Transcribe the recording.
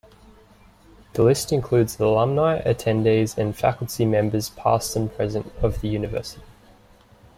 The list includes alumni, attendees, and faculty members past and present of the university.